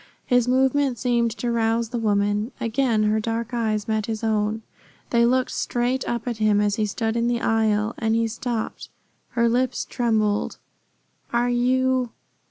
His movement seemed to rouse the woman. Again her dark eyes met his own. They looked straight up at him as he stood in the aisle, and he stopped. Her lips trembled. "Are you